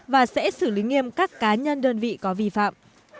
và sẽ xử lý nghiêm các cá nhân đơn vị có vi phạm